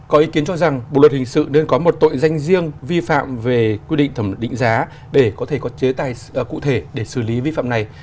có ý kiến cho rằng bộ luật hình sự nên có một tội danh riêng vi phạm về quy định thẩm định giá để có thể có chế tài cụ thể để xử lý vi phạm này